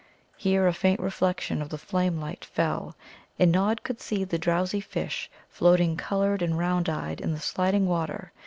Here a faint reflection of the flamelight fell, and Nod could see the drowsy fish floating coloured and round eyed in the sliding water.